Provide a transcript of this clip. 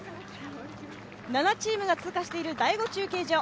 ７チームが通過している第５中継所。